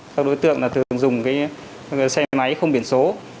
các đối tượng là thường dùng cái xe máy không biển số